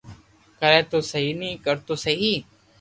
ڪري تو سھي ني ڪرو تو سھي